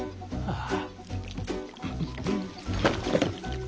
ああ！